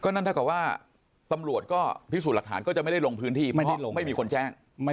นั่นถ้ากลบว่าตำรวจก็ปริสูจน์หลักฐานก็จะไม่ได้ลงพื้นที่